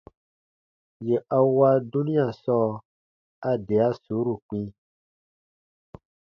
Yè a wa dunia sɔɔ, a de a suuru kpĩ.